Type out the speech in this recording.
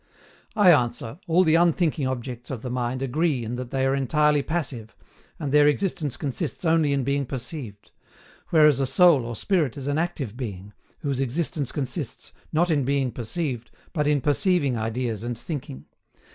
I answer, all the unthinking objects of the mind agree in that they are entirely passive, and their existence consists only in being perceived; whereas a soul or spirit is an active being, whose existence consists, not in being perceived, but in perceiving ideas and thinking.